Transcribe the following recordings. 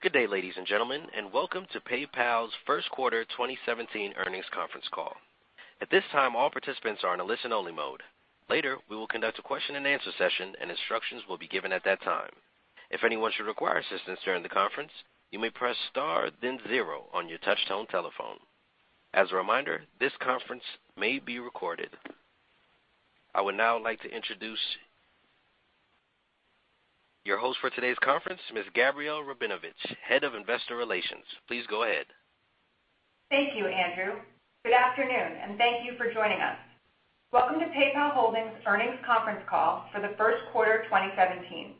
Good day, ladies and gentlemen, and welcome to PayPal's first quarter 2017 earnings conference call. At this time, all participants are in a listen-only mode. Later, we will conduct a question and answer session, and instructions will be given at that time. If anyone should require assistance during the conference, you may press star then zero on your touchtone telephone. As a reminder, this conference may be recorded. I would now like to introduce your host for today's conference, Ms. Gabrielle Rabinovitch, Head of Investor Relations. Please go ahead. Thank you, Andrew. Good afternoon, and thank you for joining us. Welcome to PayPal Holdings earnings conference call for the first quarter of 2017.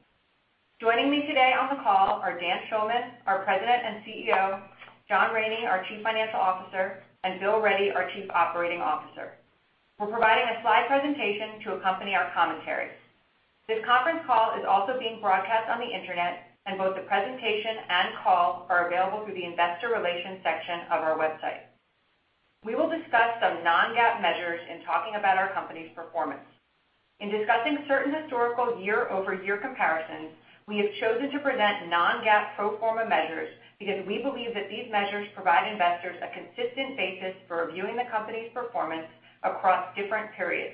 Joining me today on the call are Dan Schulman, our President and CEO, John Rainey, our Chief Financial Officer, and Bill Ready, our Chief Operating Officer. We're providing a slide presentation to accompany our commentary. This conference call is also being broadcast on the internet, and both the presentation and call are available through the investor relations section of our website. We will discuss some non-GAAP measures in talking about our company's performance. In discussing certain historical year-over-year comparisons, we have chosen to present non-GAAP pro forma measures because we believe that these measures provide investors a consistent basis for reviewing the company's performance across different periods.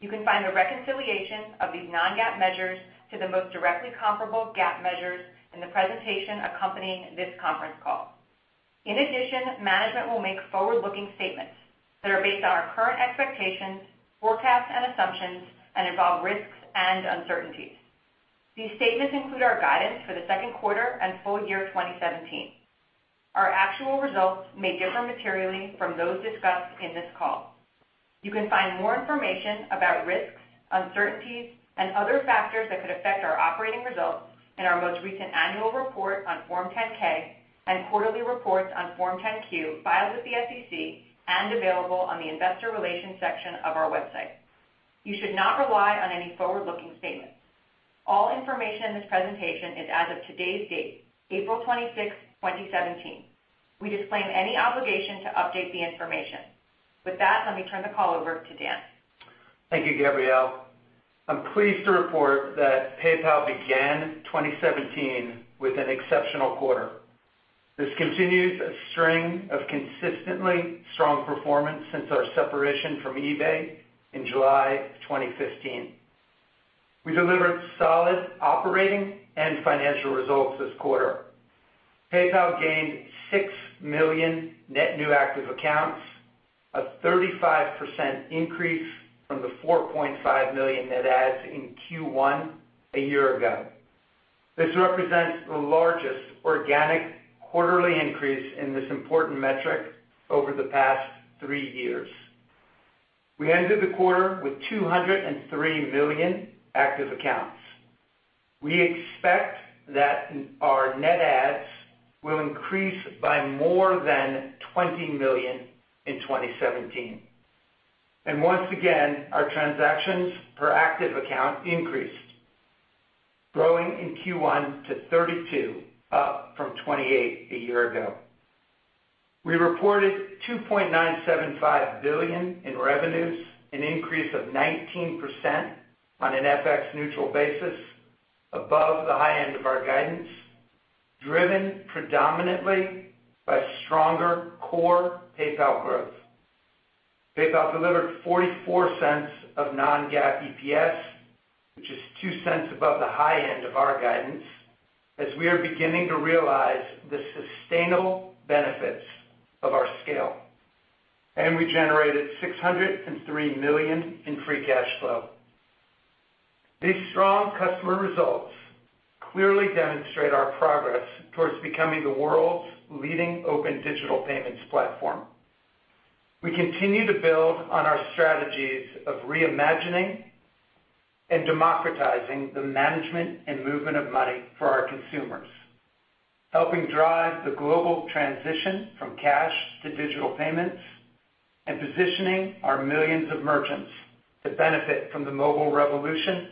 You can find the reconciliation of these non-GAAP measures to the most directly comparable GAAP measures in the presentation accompanying this conference call. In addition, management will make forward-looking statements that are based on our current expectations, forecasts, and assumptions and involve risks and uncertainties. These statements include our guidance for the second quarter and full year 2017. Our actual results may differ materially from those discussed in this call. You can find more information about risks, uncertainties, and other factors that could affect our operating results in our most recent annual report on Form 10-K and quarterly reports on Form 10-Q filed with the SEC and available on the investor relations section of our website. You should not rely on any forward-looking statements. All information in this presentation is as of today's date, April 26, 2017. We disclaim any obligation to update the information. With that, let me turn the call over to Dan. Thank you, Gabrielle. I'm pleased to report that PayPal began 2017 with an exceptional quarter. This continues a string of consistently strong performance since our separation from eBay in July of 2015. We delivered solid operating and financial results this quarter. PayPal gained six million net new active accounts, a 35% increase from the 4.5 million net adds in Q1 a year ago. This represents the largest organic quarterly increase in this important metric over the past three years. We ended the quarter with 203 million active accounts. We expect that our net adds will increase by more than 20 million in 2017. Once again, our transactions per active account increased, growing in Q1 to 32, up from 28 a year ago. We reported $2.975 billion in revenues, an increase of 19% on an FX-neutral basis above the high end of our guidance, driven predominantly by stronger core PayPal growth. PayPal delivered $0.44 of non-GAAP EPS, which is $0.02 above the high end of our guidance as we are beginning to realize the sustainable benefits of our scale. We generated $603 million in free cash flow. These strong customer results clearly demonstrate our progress towards becoming the world's leading open digital payments platform. We continue to build on our strategies of reimagining and democratizing the management and movement of money for our consumers, helping drive the global transition from cash to digital payments, and positioning our millions of merchants to benefit from the mobile revolution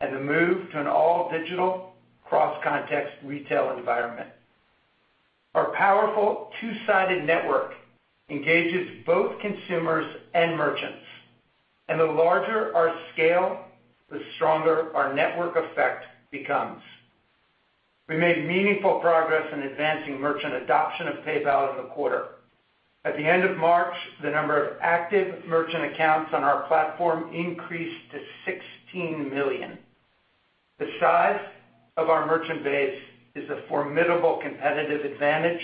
and the move to an all-digital cross-context retail environment. Our powerful two-sided network engages both consumers and merchants. The larger our scale, the stronger our network effect becomes. We made meaningful progress in advancing merchant adoption of PayPal in the quarter. At the end of March, the number of active merchant accounts on our platform increased to 16 million. The size of our merchant base is a formidable competitive advantage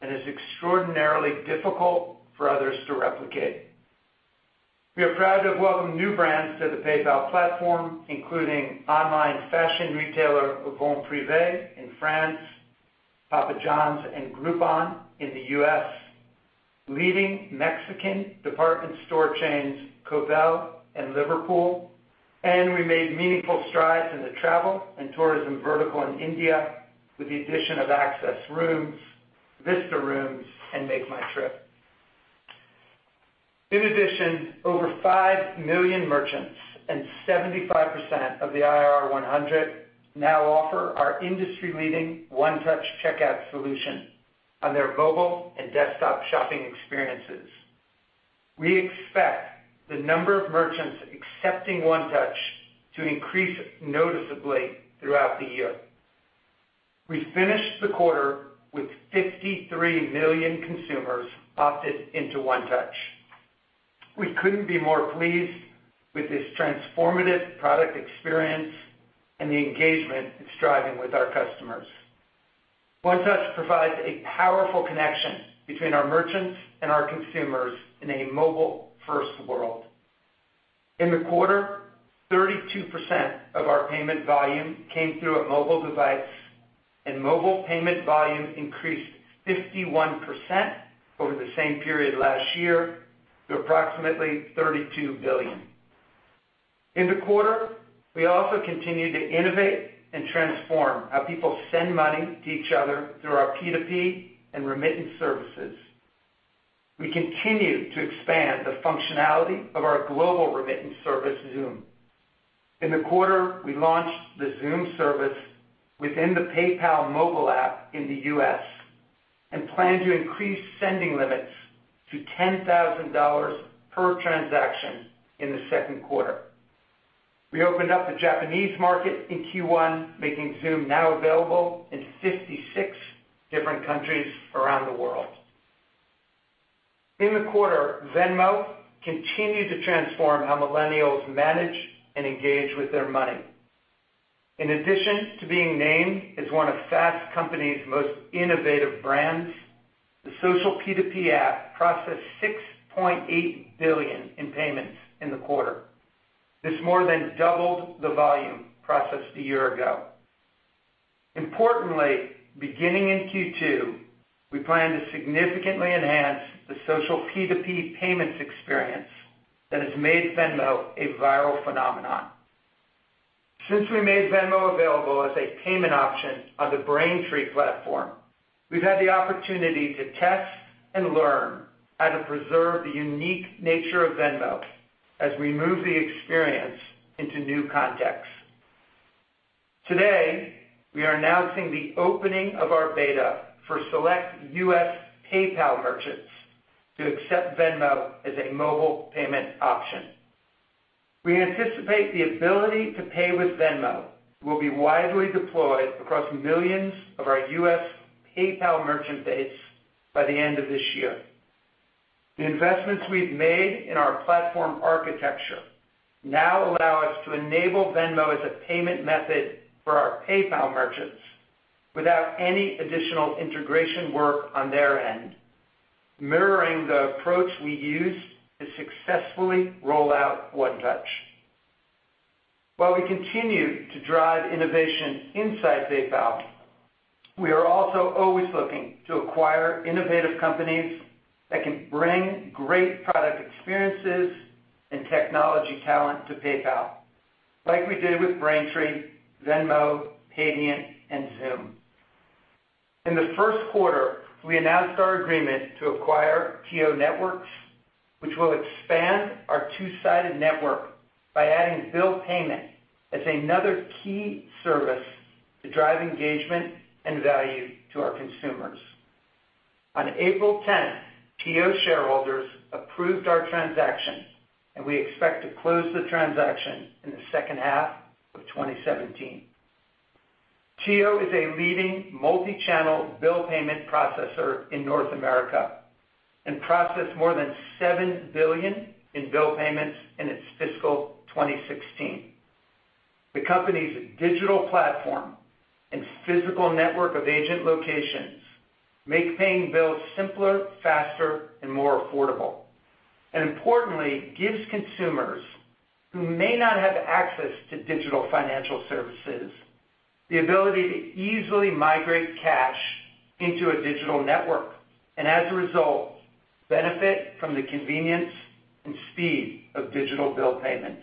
and is extraordinarily difficult for others to replicate. We are proud to have welcomed new brands to the PayPal platform, including online fashion retailer, Vente-Privée in France, Papa John's, and Groupon in the U.S., leading Mexican department store chains, Coppel and Liverpool, and we made meaningful strides in the travel and tourism vertical in India with the addition of AxisRooms, Vista Rooms, and MakeMyTrip. In addition, over five million merchants and 75% of the IR 100 now offer our industry-leading One Touch checkout solution on their mobile and desktop shopping experiences. We expect the number of merchants accepting One Touch to increase noticeably throughout the year. We finished the quarter with 53 million consumers opted into One Touch. We couldn't be more pleased with this transformative product experience and the engagement it's driving with our customers. One Touch provides a powerful connection between our merchants and our consumers in a mobile-first world. In the quarter, 32% of our payment volume came through a mobile device. Mobile payment volume increased 51% over the same period last year to approximately $32 billion. In the quarter, we also continued to innovate and transform how people send money to each other through our P2P and remittance services. We continue to expand the functionality of our global remittance service, Xoom. In the quarter, we launched the Xoom service within the PayPal mobile app in the U.S. and plan to increase sending limits to $10,000 per transaction in the second quarter. We opened up the Japanese market in Q1, making Xoom now available in 56 different countries around the world. In the quarter, Venmo continued to transform how millennials manage and engage with their money. In addition to being named as one of Fast Company's most innovative brands, the social P2P app processed $6.8 billion in payments in the quarter. This more than doubled the volume processed a year ago. Beginning in Q2, we plan to significantly enhance the social P2P payments experience that has made Venmo a viral phenomenon. Since we made Venmo available as a payment option on the Braintree platform, we've had the opportunity to test and learn how to preserve the unique nature of Venmo as we move the experience into new contexts. Today, we are announcing the opening of our beta for select U.S. PayPal merchants to accept Venmo as a mobile payment option. We anticipate the ability to Pay with Venmo will be widely deployed across millions of our U.S. PayPal merchant base by the end of this year. The investments we've made in our platform architecture now allow us to enable Venmo as a payment method for our PayPal merchants without any additional integration work on their end, mirroring the approach we used to successfully roll out One Touch. While we continue to drive innovation inside PayPal, we are also always looking to acquire innovative companies that can bring great product experiences and technology talent to PayPal, like we did with Braintree, Venmo, Paydiant and Xoom. In the first quarter, we announced our agreement to acquire TIO Networks, which will expand our two-sided network by adding bill payment as another key service to drive engagement and value to our consumers. On April 10th, TIO shareholders approved our transaction, and we expect to close the transaction in the second half of 2017. TIO is a leading multi-channel bill payment processor in North America and processed more than $7 billion in bill payments in its fiscal 2016. The company's digital platform and physical network of agent locations make paying bills simpler, faster and more affordable. Importantly, gives consumers who may not have access to digital financial services the ability to easily migrate cash into a digital network, and as a result, benefit from the convenience and speed of digital bill payments.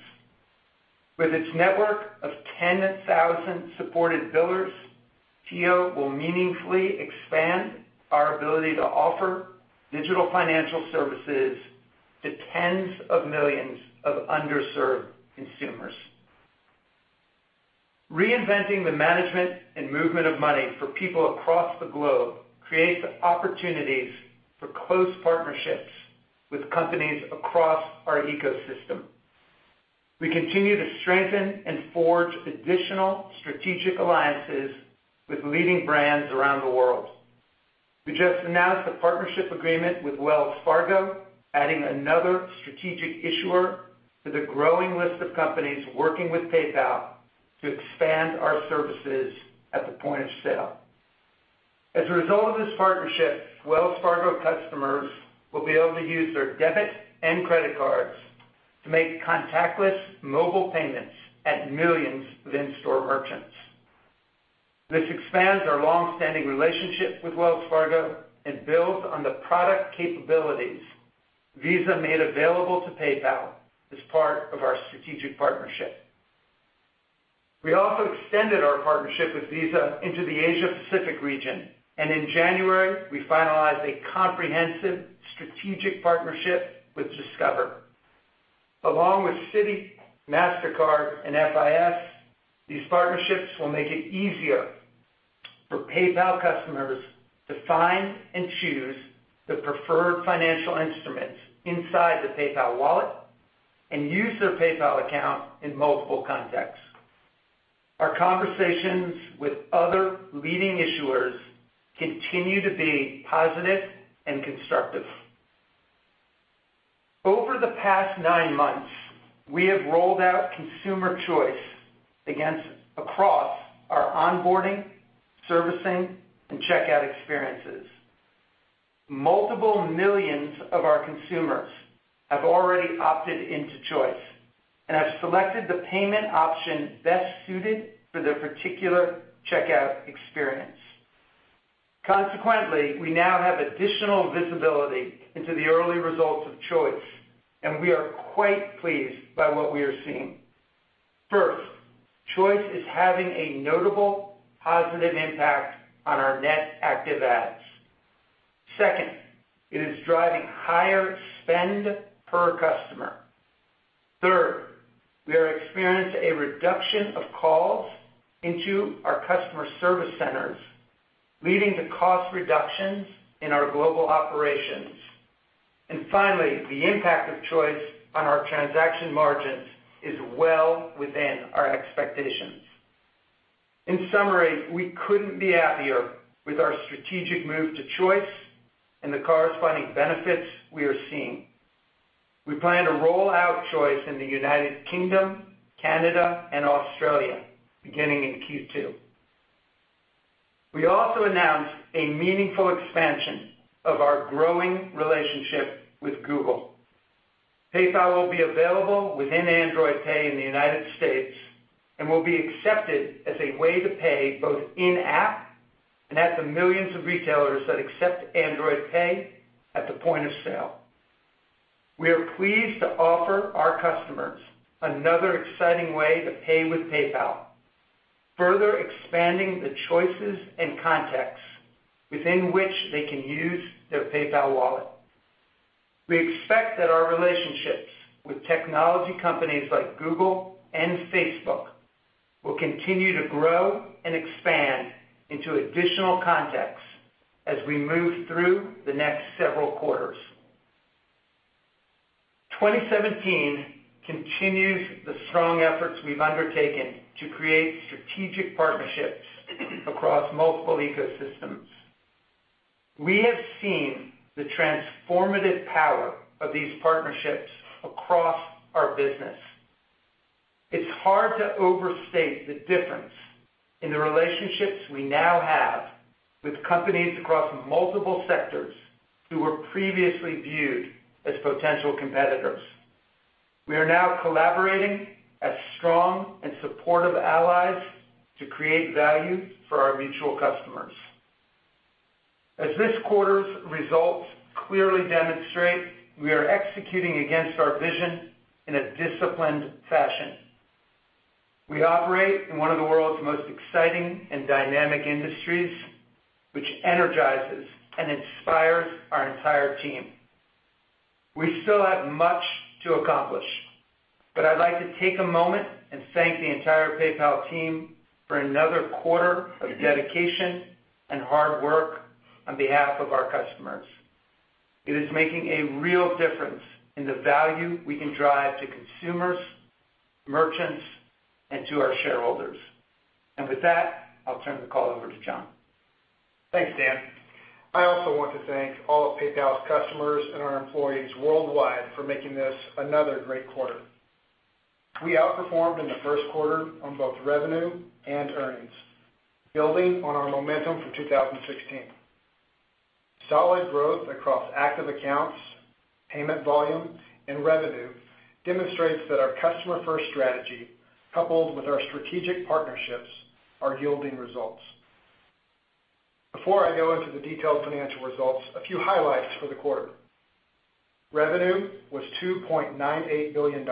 With its network of 10,000 supported billers, TIO will meaningfully expand our ability to offer digital financial services to tens of millions of underserved consumers. Reinventing the management and movement of money for people across the globe creates opportunities for close partnerships with companies across our ecosystem. We continue to strengthen and forge additional strategic alliances with leading brands around the world. We just announced a partnership agreement with Wells Fargo, adding another strategic issuer to the growing list of companies working with PayPal to expand our services at the point of sale. As a result of this partnership, Wells Fargo customers will be able to use their debit and credit cards to make contactless mobile payments at millions of in-store merchants. This expands our long-standing relationship with Wells Fargo and builds on the product capabilities Visa made available to PayPal as part of our strategic partnership. We also extended our partnership with Visa into the Asia Pacific region, and in January, we finalized a comprehensive strategic partnership with Discover. Along with Citi, Mastercard, and FIS, these partnerships will make it easier for PayPal customers to find and choose the preferred financial instruments inside the PayPal wallet and use their PayPal account in multiple contexts. Our conversations with other leading issuers continue to be positive and constructive. Over the past nine months, we have rolled out Choice across our onboarding, servicing, and checkout experiences. Multiple millions of our consumers have already opted into Choice and have selected the payment option best suited for their particular checkout experience. Consequently, we now have additional visibility into the early results of Choice, and we are quite pleased by what we are seeing. First, Choice is having a notable positive impact on our net active adds. Second, it is driving higher spend per customer. Third, we are experiencing a reduction of calls into our customer service centers, leading to cost reductions in our global operations. Finally, the impact of Choice on our transaction margins is well within our expectations. In summary, we couldn't be happier with our strategic move to Choice and the corresponding benefits we are seeing. We plan to roll out Choice in the U.K., Canada, and Australia beginning in Q2. We also announced a meaningful expansion of our growing relationship with Google. PayPal will be available within Android Pay in the U.S. and will be accepted as a way to pay both in-app and at the millions of retailers that accept Android Pay at the point of sale. We are pleased to offer our customers another exciting way to pay with PayPal, further expanding the choices and contexts within which they can use their PayPal wallet. We expect that our relationships with technology companies like Google and Facebook will continue to grow and expand into additional contexts as we move through the next several quarters. 2017 continues the strong efforts we've undertaken to create strategic partnerships across multiple ecosystems. We have seen the transformative power of these partnerships across our business. It's hard to overstate the difference in the relationships we now have with companies across multiple sectors who were previously viewed as potential competitors. We are now collaborating as strong and supportive allies to create value for our mutual customers. As this quarter's results clearly demonstrate, we are executing against our vision in a disciplined fashion. We operate in one of the world's most exciting and dynamic industries, which energizes and inspires our entire team. We still have much to accomplish, but I'd like to take a moment and thank the entire PayPal team for another quarter of dedication and hard work on behalf of our customers. It is making a real difference in the value we can drive to consumers, merchants, and to our shareholders. With that, I'll turn the call over to John. Thanks, Dan. I also want to thank all of PayPal's customers and our employees worldwide for making this another great quarter. We outperformed in the first quarter on both revenue and earnings, building on our momentum from 2016. Solid growth across active accounts, payment volume, and revenue demonstrates that our customer-first strategy, coupled with our strategic partnerships, are yielding results. Before I go into the detailed financial results, a few highlights for the quarter. Revenue was $2.98 billion,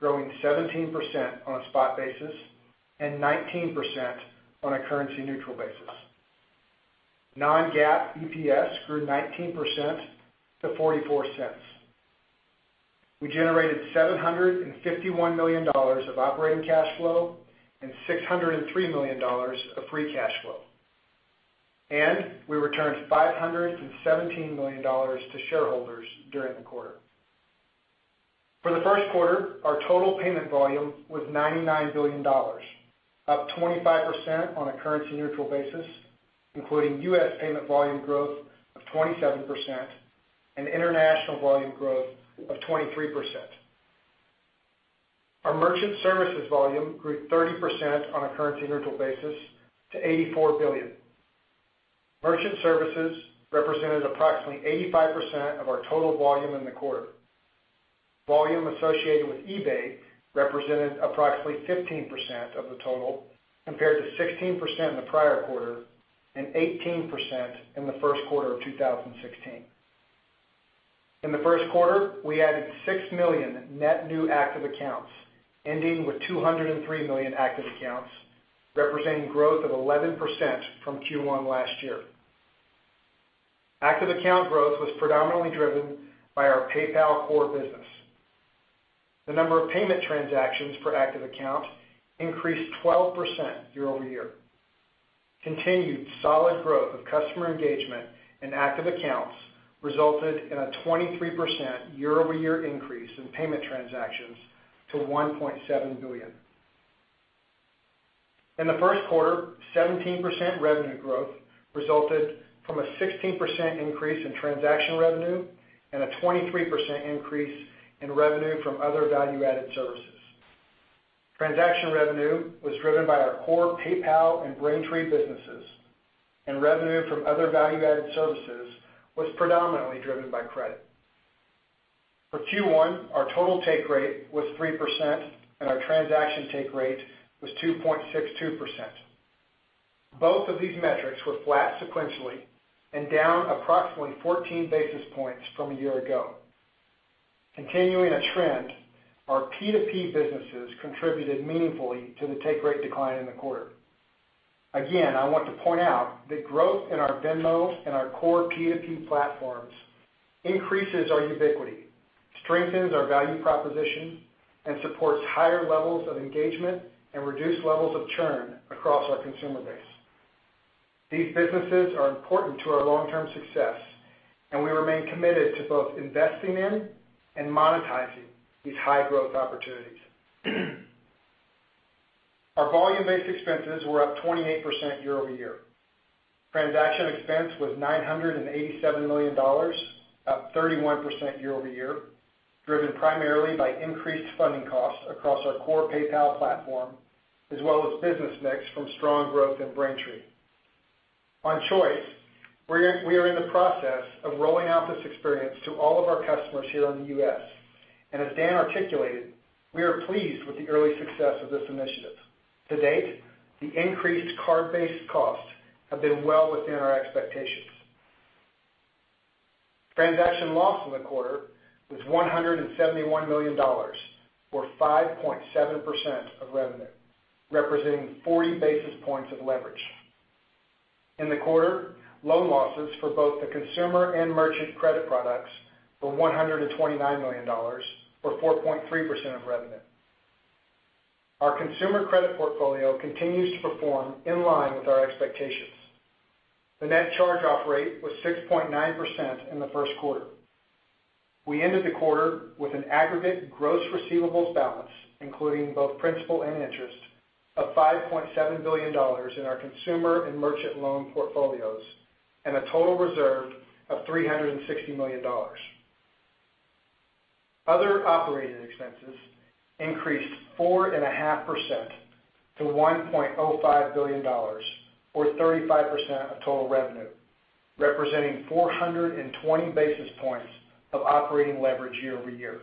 growing 17% on a spot basis and 19% on a currency-neutral basis. non-GAAP EPS grew 19% to $0.44. We generated $751 million of operating cash flow and $603 million of free cash flow. We returned $517 million to shareholders during the quarter. For the first quarter, our total payment volume was $99 billion, up 25% on a currency-neutral basis, including U.S. payment volume growth of 27% and international volume growth of 23%. Our merchant services volume grew 30% on a currency-neutral basis to $84 billion. Merchant services represented approximately 85% of our total volume in the quarter. Volume associated with eBay represented approximately 15% of the total, compared to 16% in the prior quarter and 18% in the first quarter of 2016. In the first quarter, we added six million net new active accounts, ending with 203 million active accounts, representing growth of 11% from Q1 last year. Active account growth was predominantly driven by our PayPal core business. The number of payment transactions per active account increased 12% year-over-year. Continued solid growth of customer engagement and active accounts resulted in a 23% year-over-year increase in payment transactions to 1.7 billion. In the first quarter, 17% revenue growth resulted from a 16% increase in transaction revenue and a 23% increase in revenue from other value-added services. Transaction revenue was driven by our core PayPal and Braintree businesses, and revenue from other value-added services was predominantly driven by credit. For Q1, our total take rate was 3%, and our transaction take rate was 2.62%. Both of these metrics were flat sequentially and down approximately 14 basis points from a year ago. Continuing a trend, our P2P businesses contributed meaningfully to the take rate decline in the quarter. I want to point out that growth in our Venmo and our core P2P platforms increases our ubiquity, strengthens our value proposition, and supports higher levels of engagement and reduced levels of churn across our consumer base. These businesses are important to our long-term success. We remain committed to both investing in and monetizing these high-growth opportunities. Our volume-based expenses were up 28% year-over-year. Transaction expense was $987 million, up 31% year-over-year, driven primarily by increased funding costs across our core PayPal platform, as well as business mix from strong growth in Braintree. On Choice, we are in the process of rolling out this experience to all of our customers here in the U.S., and as Dan articulated, we are pleased with the early success of this initiative. To date, the increased card-based costs have been well within our expectations. Transaction loss in the quarter was $171 million, or 5.7% of revenue, representing 40 basis points of leverage. In the quarter, loan losses for both the consumer and merchant credit products were $129 million, or 4.3% of revenue. Our consumer credit portfolio continues to perform in line with our expectations. The net charge-off rate was 6.9% in the first quarter. We ended the quarter with an aggregate gross receivables balance, including both principal and interest, of $5.7 billion in our consumer and merchant loan portfolios, and a total reserve of $360 million. Other operating expenses increased 4.5% to $1.05 billion, or 35% of total revenue, representing 420 basis points of operating leverage year-over-year.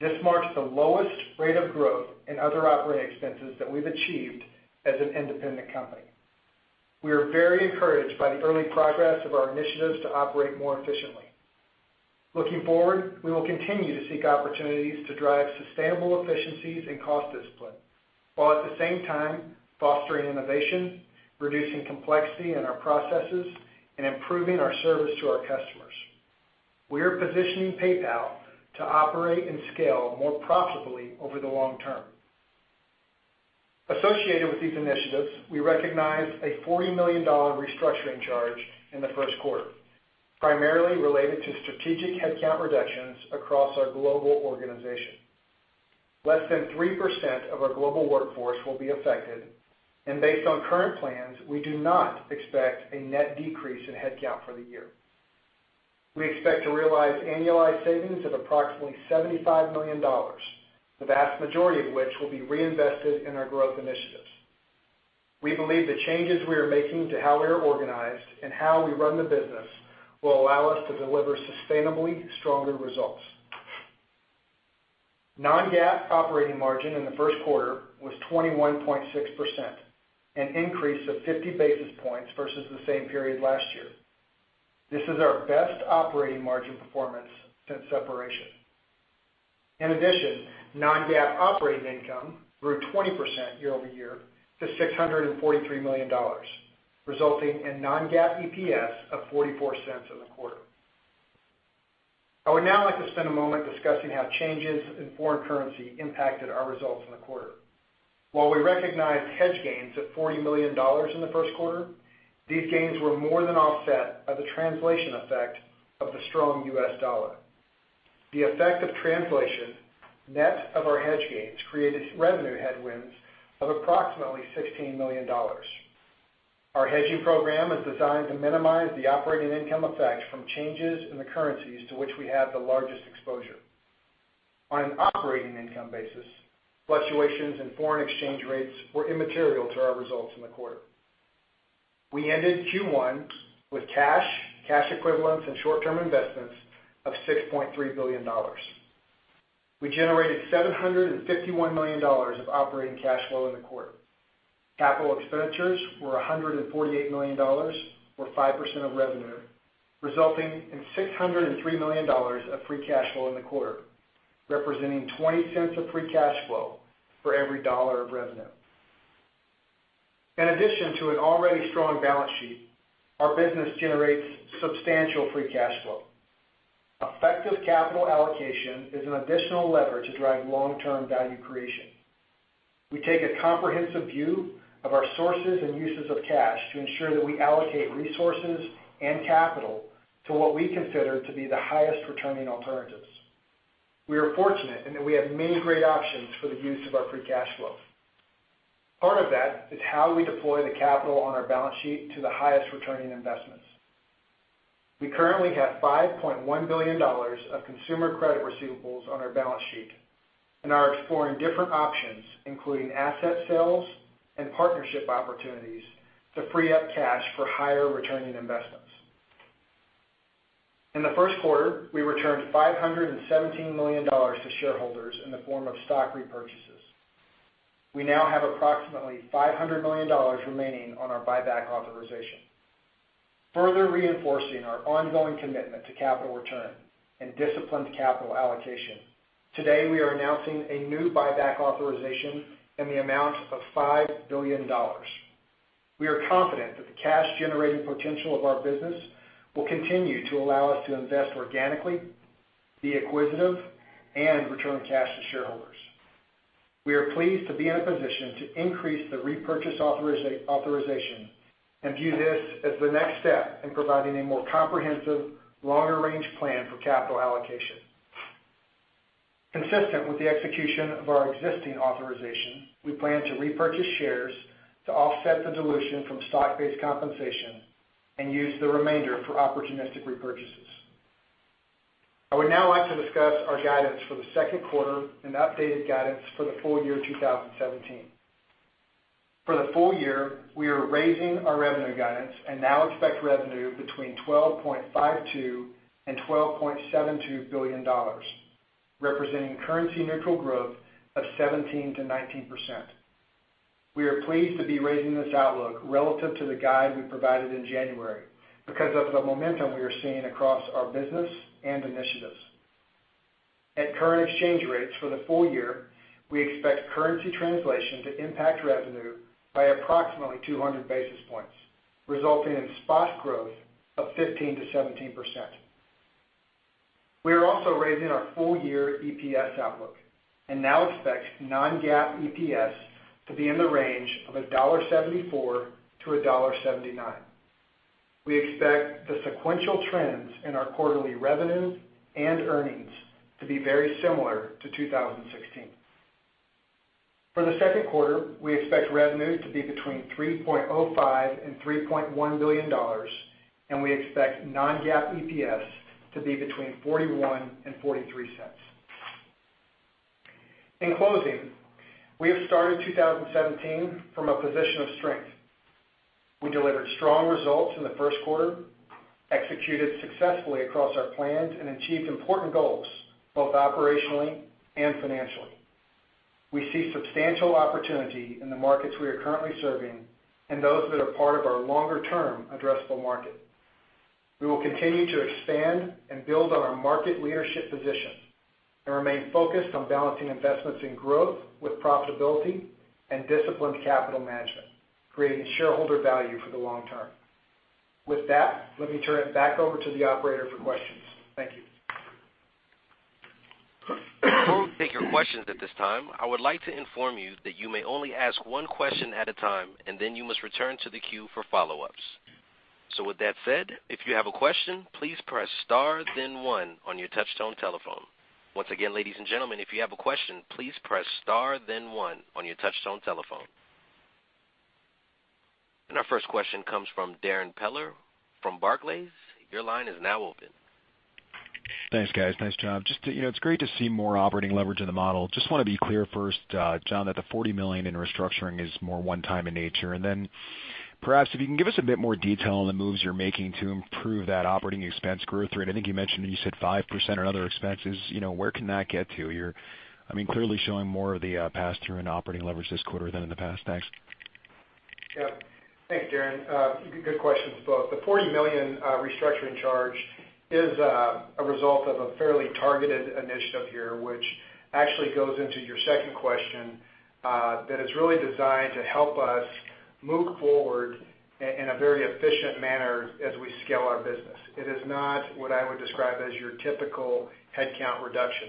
This marks the lowest rate of growth in other operating expenses that we've achieved as an independent company. We are very encouraged by the early progress of our initiatives to operate more efficiently. Looking forward, we will continue to seek opportunities to drive sustainable efficiencies and cost discipline, while at the same time fostering innovation, reducing complexity in our processes, and improving our service to our customers. We are positioning PayPal to operate and scale more profitably over the long term. Associated with these initiatives, we recognized a $40 million restructuring charge in the first quarter, primarily related to strategic headcount reductions across our global organization. Less than 3% of our global workforce will be affected, and based on current plans, we do not expect a net decrease in headcount for the year. We expect to realize annualized savings of approximately $75 million, the vast majority of which will be reinvested in our growth initiatives. We believe the changes we are making to how we are organized and how we run the business will allow us to deliver sustainably stronger results. Non-GAAP operating margin in the first quarter was 21.6%, an increase of 50 basis points versus the same period last year. This is our best operating margin performance since separation. Non-GAAP operating income grew 20% year-over-year to $643 million, resulting in non-GAAP EPS of $0.44 in the quarter. I would now like to spend a moment discussing how changes in foreign currency impacted our results in the quarter. While we recognized hedge gains of $40 million in the first quarter, these gains were more than offset by the translation effect of the strong U.S. dollar. The effect of translation, net of our hedge gains, created revenue headwinds of approximately $16 million. Our hedging program is designed to minimize the operating income effect from changes in the currencies to which we have the largest exposure. On an operating income basis, fluctuations in foreign exchange rates were immaterial to our results in the quarter. We ended Q1 with cash equivalents, and short-term investments of $6.3 billion. We generated $751 million of operating cash flow in the quarter. Capital expenditures were $148 million, or 5% of revenue, resulting in $603 million of free cash flow in the quarter, representing $0.20 of free cash flow for every $1 of revenue. In addition to an already strong balance sheet, our business generates substantial free cash flow. Effective capital allocation is an additional lever to drive long-term value creation. We take a comprehensive view of our sources and uses of cash to ensure that we allocate resources and capital to what we consider to be the highest-returning alternatives. We are fortunate in that we have many great options for the use of our free cash flow. Part of that is how we deploy the capital on our balance sheet to the highest-returning investments. We currently have $5.1 billion of consumer credit receivables on our balance sheet and are exploring different options, including asset sales and partnership opportunities to free up cash for higher-returning investments. In the first quarter, we returned $517 million to shareholders in the form of stock repurchases. We now have approximately $500 million remaining on our buyback authorization. Further reinforcing our ongoing commitment to capital return and disciplined capital allocation, today, we are announcing a new buyback authorization in the amount of $5 billion. We are confident that the cash-generating potential of our business will continue to allow us to invest organically, be acquisitive, and return cash to shareholders. We are pleased to be in a position to increase the repurchase authorization and view this as the next step in providing a more comprehensive, longer-range plan for capital allocation. Consistent with the execution of our existing authorization, we plan to repurchase shares to offset the dilution from stock-based compensation and use the remainder for opportunistic repurchases. I would now like to discuss our guidance for the second quarter and updated guidance for the full year 2017. For the full year, we are raising our revenue guidance and now expect revenue between $12.52 billion and $12.72 billion, representing FX-neutral growth of 17%-19%. We are pleased to be raising this outlook relative to the guide we provided in January because of the momentum we are seeing across our business and initiatives. At current exchange rates for the full year, we expect currency translation to impact revenue by approximately 200 basis points, resulting in spot growth of 15%-17%. We are also raising our full-year EPS outlook and now expect non-GAAP EPS to be in the range of $1.74-$1.79. We expect the sequential trends in our quarterly revenues and earnings to be very similar to 2016. For the second quarter, we expect revenue to be between $3.05 billion and $3.1 billion, and we expect non-GAAP EPS to be between $0.41 and $0.43. In closing, we have started 2017 from a position of strength. We delivered strong results in the first quarter, executed successfully across our plans, and achieved important goals both operationally and financially. We see substantial opportunity in the markets we are currently serving and those that are part of our longer-term addressable market. We will continue to expand and build on our market leadership position and remain focused on balancing investments in growth with profitability and disciplined capital management, creating shareholder value for the long term. With that, let me turn it back over to the operator for questions. Thank you. Before we take your questions at this time, I would like to inform you that you may only ask one question at a time, then you must return to the queue for follow-ups. With that said, if you have a question, please press star then one on your touch-tone telephone. Once again, ladies and gentlemen, if you have a question, please press star then one on your touch-tone telephone. Our first question comes from Darrin Peller from Barclays. Your line is now open. Thanks, guys. Nice job. It's great to see more operating leverage in the model. Just want to be clear first, John, that the $40 million in restructuring is more one-time in nature. Perhaps if you can give us a bit more detail on the moves you're making to improve that operating expense growth rate. I think you mentioned, you said 5% on other expenses. Where can that get to? You're clearly showing more of the pass-through in operating leverage this quarter than in the past. Thanks. Yeah. Thanks, Darrin. Good questions, both. The $40 million restructuring charge is a result of a fairly targeted initiative here, which actually goes into your second question, that is really designed to help us move forward in a very efficient manner as we scale our business. It is not what I would describe as your typical headcount reduction.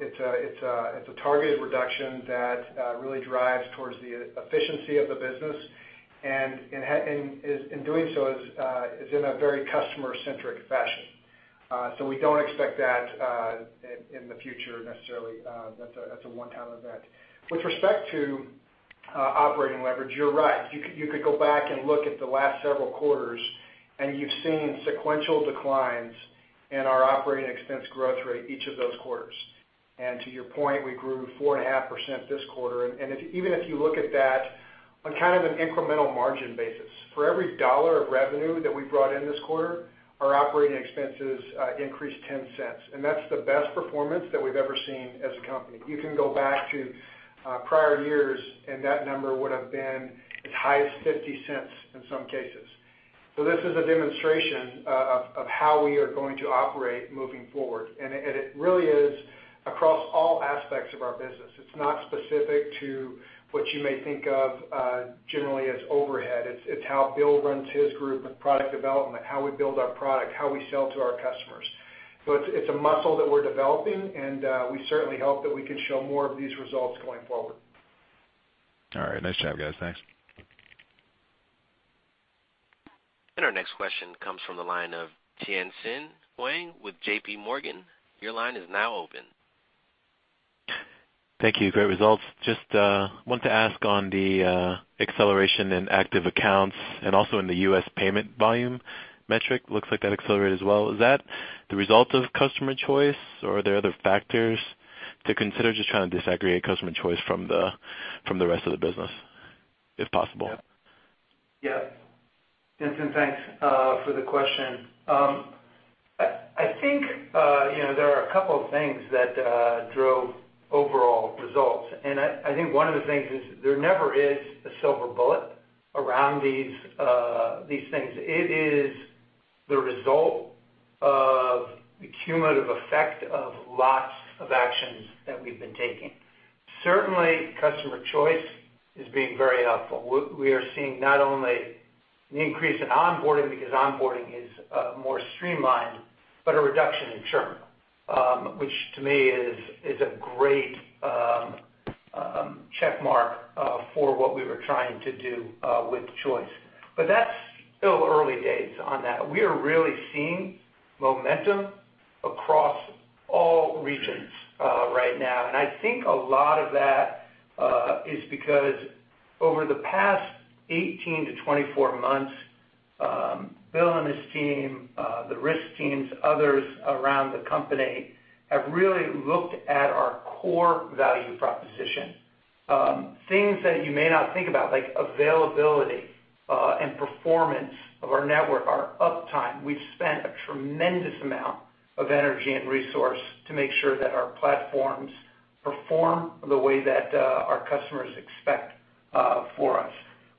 It's a targeted reduction that really drives towards the efficiency of the business, and in doing so, is in a very customer-centric fashion. We don't expect that in the future necessarily. That's a one-time event. With respect to operating leverage, you're right. You could go back and look at the last several quarters, and you've seen sequential declines in our operating expense growth rate each of those quarters. To your point, we grew 4.5% this quarter. Even if you look at that on kind of an incremental margin basis, for every dollar of revenue that we brought in this quarter, our operating expenses increased $0.10. That's the best performance that we've ever seen as a company. You can go back to prior years, that number would have been as high as $0.50 in some cases. This is a demonstration of how we are going to operate moving forward. It really is across all aspects of our business. It's not specific to what you may think of generally as overhead. It's how Bill runs his group with product development, how we build our product, how we sell to our customers. It's a muscle that we're developing, and we certainly hope that we can show more of these results going forward. All right. Nice job, guys. Thanks. Our next question comes from the line of Tien-Tsin Huang with J.P. Morgan. Your line is now open. Thank you. Great results. Just want to ask on the acceleration in active accounts and also in the U.S. payment volume metric. Looks like that accelerated as well. Is that the result of customer Choice or are there other factors to consider? Just trying to disaggregate customer Choice from the rest of the business, if possible. Yeah. Tien-Tsin, thanks for the question. I think there are a couple of things that drove overall results. I think one of the things is there never is a silver bullet around these things. It is the result of the cumulative effect of lots of actions that we've been taking. Certainly, customer Choice is being very helpful. We are seeing not only an increase in onboarding because onboarding is more streamlined, but a reduction in churn, which to me is a great check mark for what we were trying to do with Choice. That's still early days on that. We are really seeing momentum across all regions right now. I think a lot of that is because over the past 18 to 24 months, Bill and his team, the risk teams, others around the company, have really looked at our core value proposition. Things that you may not think about, like availability and performance of our network, our uptime. We've spent a tremendous amount of energy and resource to make sure that our platforms perform the way that our customers expect for us.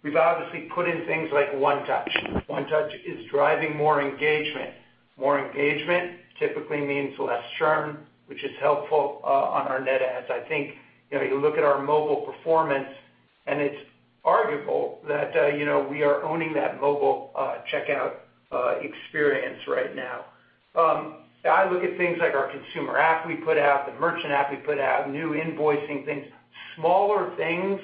We've obviously put in things like One Touch. One Touch is driving more engagement. More engagement typically means less churn, which is helpful on our net adds. I think, you look at our mobile performance, and it's arguable that we are owning that mobile checkout experience right now. I look at things like our consumer app we put out, the merchant app we put out, new invoicing things, smaller things,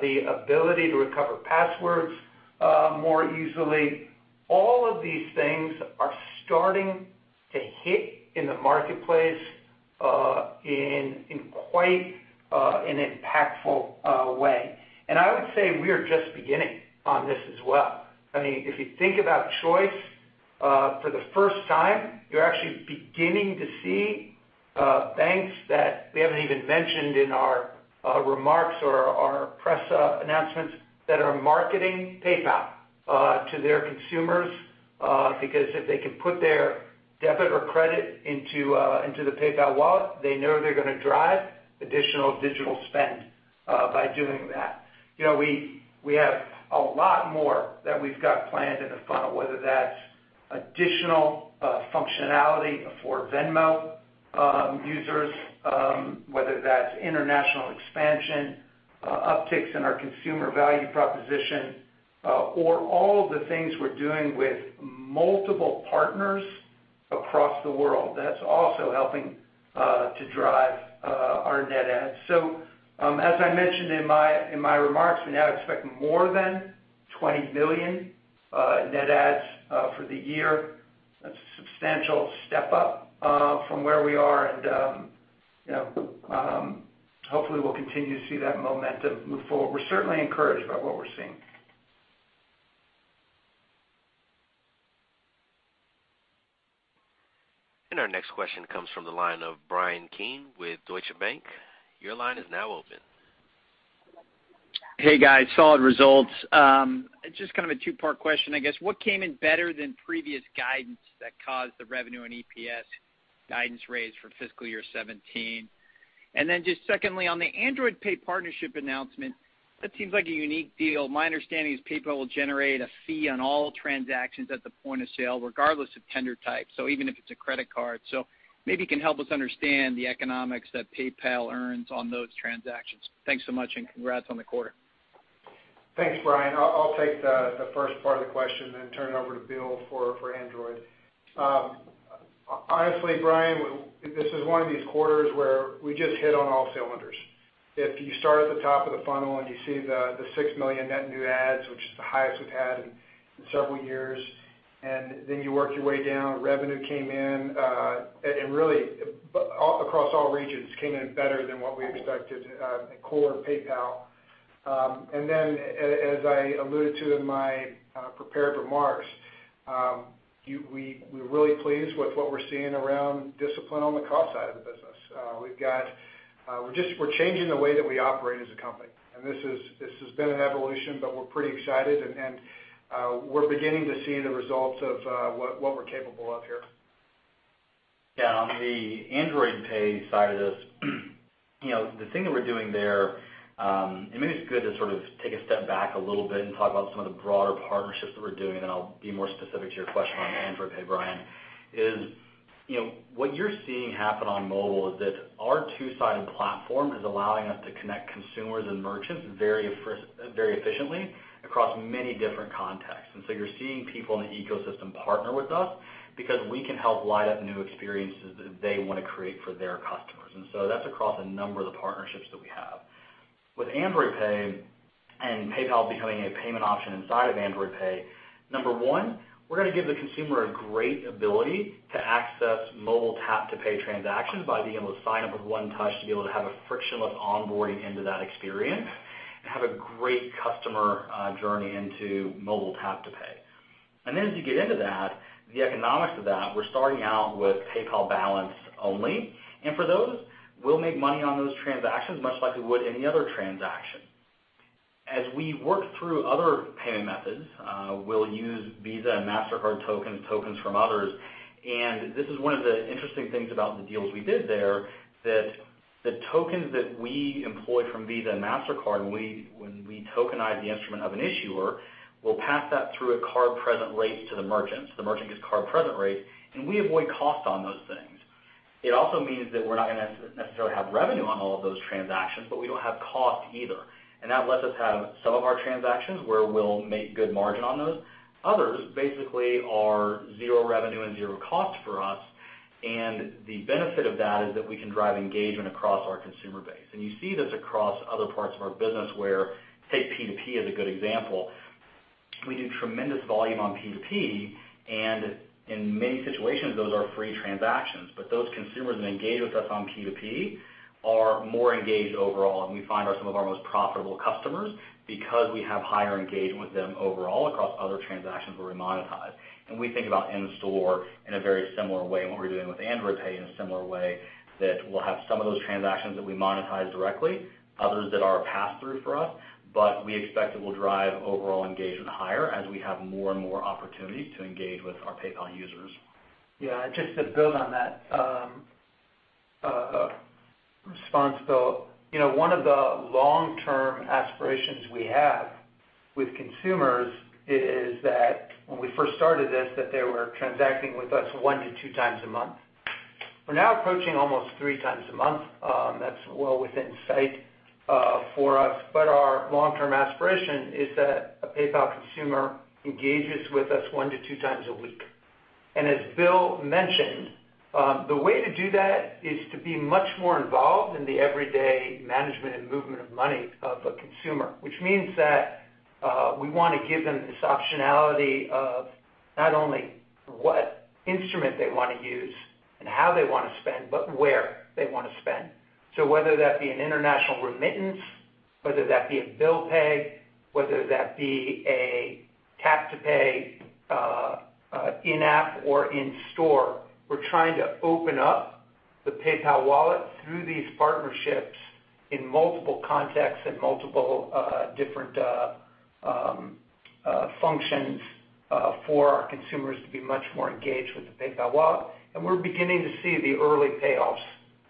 the ability to recover passwords more easily. All of these things are starting to hit in the marketplace in quite an impactful way. I would say we are just beginning on this as well. If you think about Choice, for the first time, you're actually beginning to see banks that we haven't even mentioned in our remarks or our press announcements that are marketing PayPal to their consumers, because if they can put their debit or credit into the PayPal wallet, they know they're going to drive additional digital spend by doing that. We have a lot more that we've got planned in the funnel, whether that's additional functionality for Venmo users, whether that's international expansion, upticks in our consumer value proposition, or all of the things we're doing with multiple partners across the world. That's also helping to drive our net adds. As I mentioned in my remarks, we now expect more than 20 million net adds for the year. That's a substantial step up from where we are, and hopefully we'll continue to see that momentum move forward. We're certainly encouraged by what we're seeing. Our next question comes from the line of Bryan Keane with Deutsche Bank. Your line is now open. Hey, guys. Solid results. Just a two-part question, I guess. What came in better than previous guidance that caused the revenue and EPS guidance raise for fiscal year 2017? Secondly, on the Android Pay partnership announcement, that seems like a unique deal. My understanding is PayPal will generate a fee on all transactions at the point of sale, regardless of tender type, so even if it's a credit card. Maybe you can help us understand the economics that PayPal earns on those transactions. Thanks so much, and congrats on the quarter. Thanks, Bryan. I'll take the first part of the question, then turn it over to Bill for Android Pay. Honestly, Bryan, this is one of these quarters where we just hit on all cylinders. If you start at the top of the funnel and you see the 6 million net new adds, which is the highest we've had in several years, then you work your way down, revenue came in, and really across all regions, came in better than what we expected at core PayPal. As I alluded to in my prepared remarks, we're really pleased with what we're seeing around discipline on the cost side of the business. We're changing the way that we operate as a company, and this has been an evolution, but we're pretty excited, and we're beginning to see the results of what we're capable of here. Yeah, on the Android Pay side of this, the thing that we're doing there, maybe it's good to sort of take a step back a little bit and talk about some of the broader partnerships that we're doing, I'll be more specific to your question on Android Pay, Bryan, is what you're seeing happen on mobile is that our two-sided platform is allowing us to connect consumers and merchants very efficiently across many different contexts. You're seeing people in the ecosystem partner with us because we can help light up new experiences that they want to create for their customers. That's across a number of the partnerships that we have. With Android Pay and PayPal becoming a payment option inside of Android Pay, number 1, we're going to give the consumer a great ability to access mobile tap-to-pay transactions by being able to sign up with One Touch to be able to have a frictionless onboarding into that experience and have a great customer journey into mobile tap to pay. As you get into that, the economics of that, we're starting out with PayPal balance only. For those, we'll make money on those transactions, much like we would any other transaction. As we work through other payment methods, we'll use Visa and Mastercard tokens from others. This is one of the interesting things about the deals we did there, that the tokens that we employ from Visa and Mastercard, when we tokenize the instrument of an issuer, we'll pass that through a card-present rate to the merchants. The merchant gets card-present rate, and we avoid cost on those things. It also means that we're not going to necessarily have revenue on all of those transactions, but we don't have cost either. That lets us have some of our transactions where we'll make good margin on those. Others basically are zero revenue and zero cost for us, and the benefit of that is that we can drive engagement across our consumer base. You see this across other parts of our business where, say, P2P is a good example. We do tremendous volume on P2P, and in many situations, those are free transactions. Those consumers that engage with us on P2P are more engaged overall, and we find are some of our most profitable customers because we have higher engagement with them overall across other transactions where we monetize. We think about in-store in a very similar way, and what we're doing with Android Pay in a similar way, that we'll have some of those transactions that we monetize directly, others that are a pass-through for us. We expect it will drive overall engagement higher as we have more and more opportunities to engage with our PayPal users. Yeah, just to build on that response, Bill. One of the long-term aspirations we have with consumers is that when we first started this, that they were transacting with us one to two times a month. We're now approaching almost three times a month. That's well within sight for us. Our long-term aspiration is that a PayPal consumer engages with us one to two times a week. As Bill mentioned, the way to do that is to be much more involved in the everyday management and movement of money of a consumer, which means that we want to give them this optionality of not only what instrument they want to use and how they want to spend, but where they want to spend. Whether that be an international remittance, whether that be a bill pay, whether that be a tap to pay in-app or in-store, we're trying to open up the PayPal wallet through these partnerships in multiple contexts and multiple different functions for our consumers to be much more engaged with the PayPal wallet, and we're beginning to see the early payoffs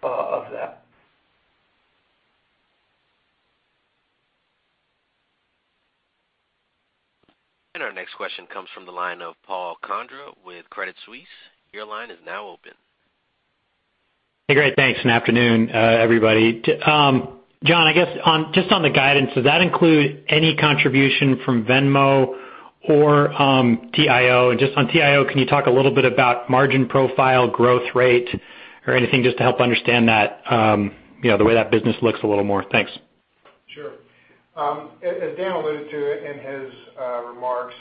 of that. Our next question comes from the line of Paul Condra with Credit Suisse. Your line is now open. Hey, great. Thanks, and afternoon, everybody. John, I guess just on the guidance, does that include any contribution from Venmo or TIO? Just on TIO, can you talk a little bit about margin profile, growth rate or anything just to help understand the way that business looks a little more? Thanks. Sure. As Dan alluded to in his remarks,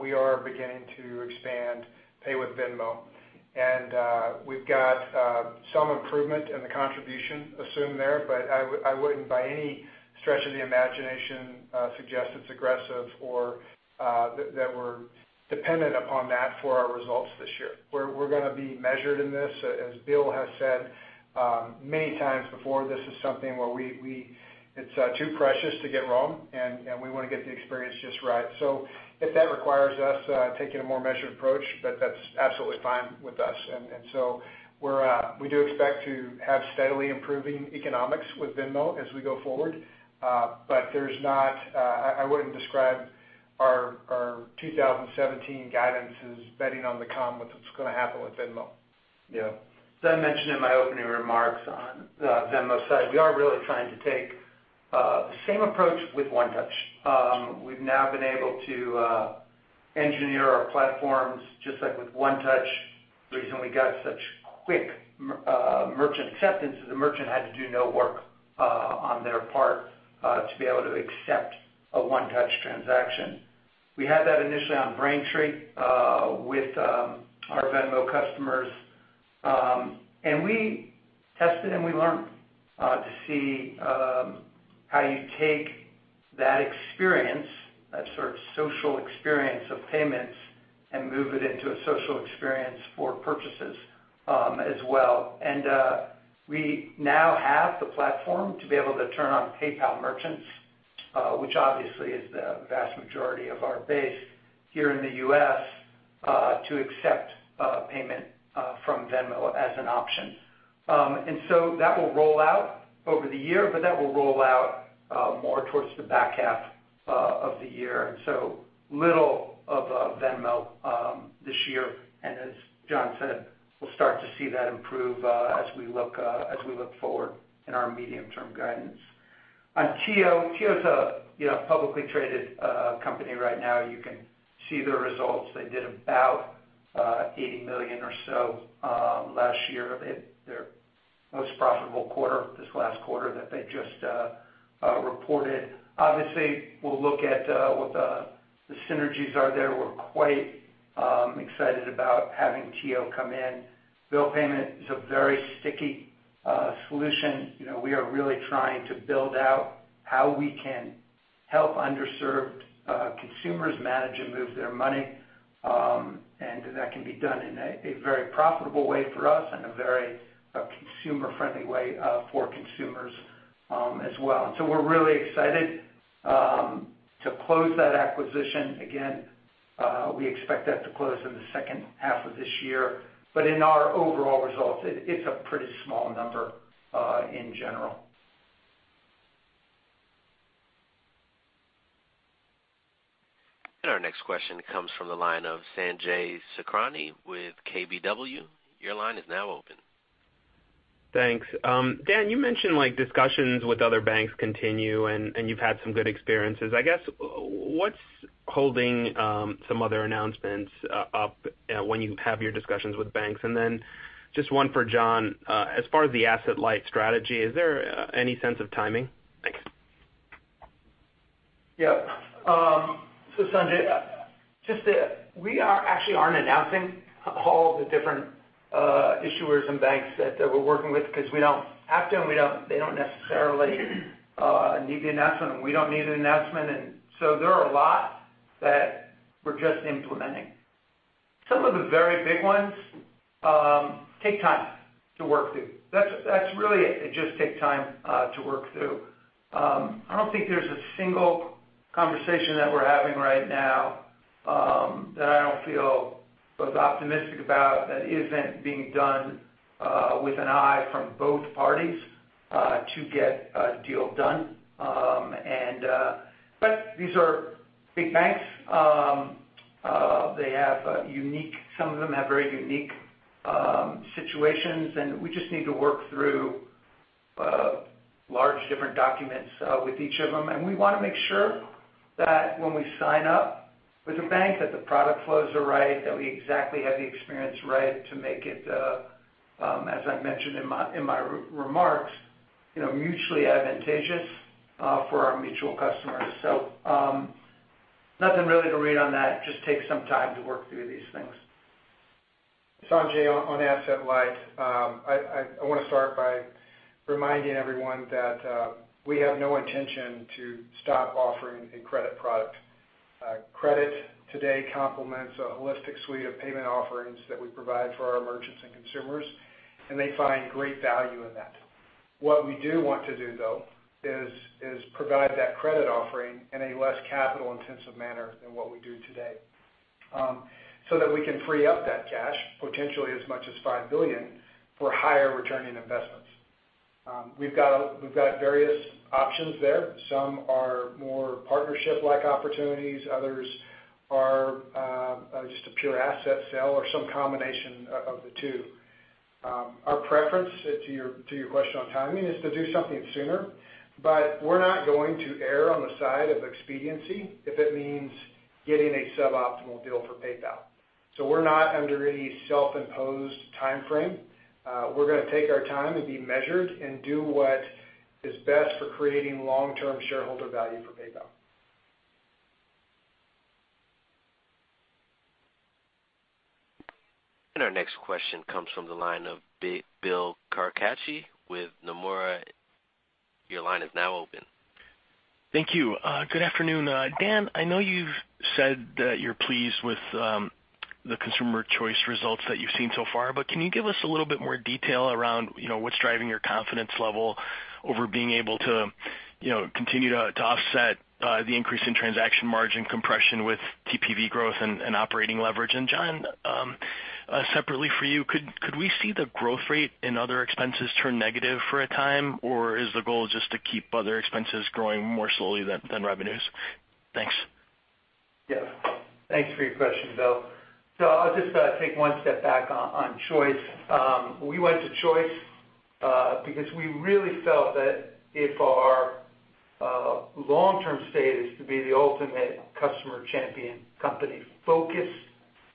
we are beginning to expand Pay with Venmo, and we've got some improvement in the contribution assumed there. I wouldn't, by any stretch of the imagination, suggest it's aggressive or that we're dependent upon that for our results this year. We're going to be measured in this. As Bill has said many times before, this is something where it's too precious to get wrong, and we want to get the experience just right. If that requires us taking a more measured approach, that's absolutely fine with us. We do expect to have steadily improving economics with Venmo as we go forward. I wouldn't describe our 2017 guidance as betting on the come with what's going to happen with Venmo. Yeah. As I mentioned in my opening remarks on the Venmo side, we are really trying to take the same approach with One Touch. We've now been able to engineer our platforms, just like with One Touch. The reason we got such quick merchant acceptance is the merchant had to do no work on their part to be able to accept a One Touch transaction. We had that initially on Braintree with our Venmo customers, and we tested, and we learned to see how you take that experience, that sort of social experience of payments, and move it into a social experience for purchases as well. We now have the platform to be able to turn on PayPal merchants Which obviously is the vast majority of our base here in the U.S., to accept payment from Venmo as an option. That will roll out over the year, but that will roll out more towards the back half of the year. Little of Venmo this year. As John said, we'll start to see that improve as we look forward in our medium-term guidance. On TIO is a publicly traded company right now. You can see their results. They did about $80 million or so last year. Their most profitable quarter, this last quarter that they just reported. Obviously, we'll look at what the synergies are there. We're quite excited about having TIO come in. Bill payment is a very sticky solution. We are really trying to build out how we can help underserved consumers manage and move their money. That can be done in a very profitable way for us and a very consumer-friendly way for consumers as well. We're really excited to close that acquisition again. We expect that to close in the second half of this year. In our overall results, it's a pretty small number in general. Our next question comes from the line of Sanjay Sakhrani with KBW. Your line is now open. Thanks. Dan, you mentioned discussions with other banks continue. You've had some good experiences. What's holding some other announcements up when you have your discussions with banks? Just one for John. As far as the asset-light strategy, is there any sense of timing? Thanks. Yeah. Sanjay, just that we actually aren't announcing all the different issuers and banks that we're working with because we don't have to, and they don't necessarily need the announcement, and we don't need an announcement. There are a lot that we're just implementing. Some of the very big ones take time to work through. That's really it. It just takes time to work through. I don't think there's a single conversation that we're having right now that I don't feel both optimistic about that isn't being done with an eye from both parties to get a deal done. These are big banks. Some of them have very unique situations, and we just need to work through large different documents with each of them. We want to make sure that when we sign up with a bank, that the product flows are right, that we exactly have the experience right to make it, as I mentioned in my remarks, mutually advantageous for our mutual customers. Nothing really to read on that. Just takes some time to work through these things. Sanjay, on asset-light, I want to start by reminding everyone that we have no intention to stop offering a credit product. Credit today complements a holistic suite of payment offerings that we provide for our merchants and consumers, and they find great value in that. What we do want to do, though, is provide that credit offering in a less capital-intensive manner than what we do today, so that we can free up that cash, potentially as much as $5 billion, for higher returning investments. We've got various options there. Some are more partnership-like opportunities, others are just a pure asset sale or some combination of the two. Our preference to your question on timing is to do something sooner, but we're not going to err on the side of expediency if it means getting a suboptimal deal for PayPal. We're not under any self-imposed timeframe. We're going to take our time and be measured and do what is best for creating long-term shareholder value for PayPal. Our next question comes from the line of Bill Carcache with Nomura. Your line is now open. Thank you. Good afternoon. Dan, I know you've said that you're pleased with the Consumer Choice results that you've seen so far, but can you give us a little bit more detail around what's driving your confidence level over being able to continue to offset the increase in transaction margin compression with TPV growth and operating leverage? John, separately for you, could we see the growth rate in other expenses turn negative for a time? Or is the goal just to keep other expenses growing more slowly than revenues? Thanks. Yeah. Thanks for your question, Bill. I'll just take one step back on Choice. We went to Choice because we really felt that if our long-term state is to be the ultimate customer champion company focused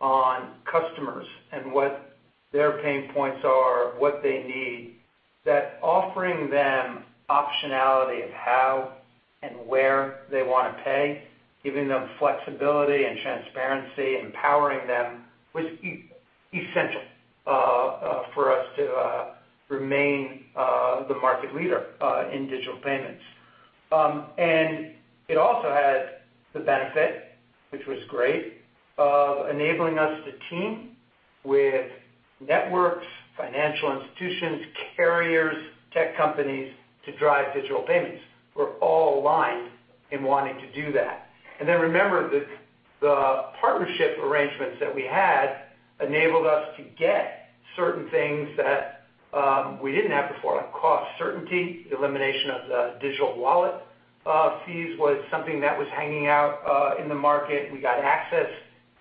on customers and what their pain points are, what they need, that offering them optionality of how and where they want to pay, giving them flexibility and transparency, empowering them was essential for us to remain the market leader in digital payments. It also had the benefit, which was great, of enabling us to team with networks, financial institutions, carriers, tech companies to drive digital payments. We're all aligned in wanting to do that. Remember that the partnership arrangements that we had enabled us to get certain things that we didn't have before, like cost certainty, elimination of the digital wallet fees was something that was hanging out in the market. We got access,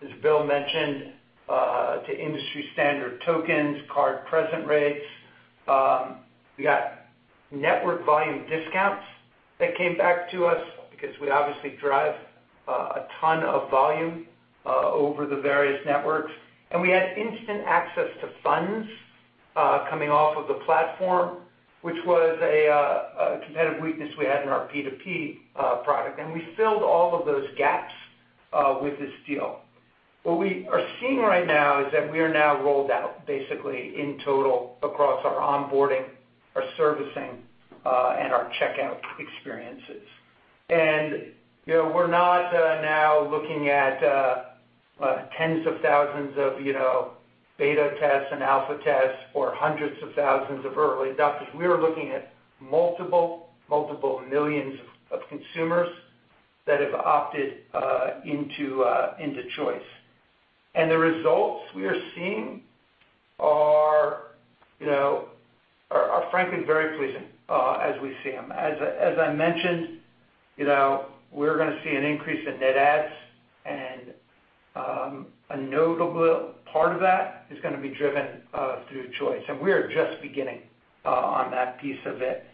as Bill mentioned, to industry standard tokens, card-present rates. We got network volume discounts that came back to us because we obviously drive a ton of volume over the various networks. We had instant access to funds coming off of the platform, which was a competitive weakness we had in our P2P product. We filled all of those gaps with this deal. What we are seeing right now is that we are now rolled out basically in total across our onboarding, our servicing, and our checkout experiences. We're not now looking at tens of thousands of beta tests and alpha tests or hundreds of thousands of early adopters. We are looking at multiple millions of consumers that have opted into Choice. The results we are seeing are frankly very pleasing as we see them. As I mentioned, we're going to see an increase in net adds, and a notable part of that is going to be driven through Choice. We are just beginning on that piece of it.